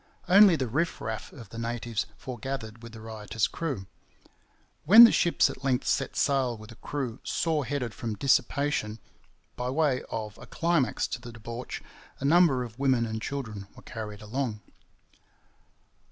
Only the riff raff of the natives forgathered with the riotous crew. When the ships at length set sail with a crew sore headed from dissipation, by way of a climax to the debauch, a number of women and children were carried along.